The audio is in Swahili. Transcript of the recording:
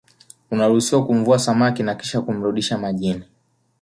unaruhusiwa kumvua samaki na Kisha kumrudisha majini